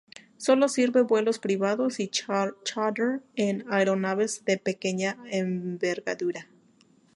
Sólo sirve vuelos privados y chárter en aeronaves de pequeña envergadura.